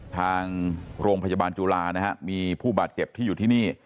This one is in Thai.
ทางโรงพยาบาลจุฬานะฮะมีผู้บาดเจ็บที่อยู่ที่นี่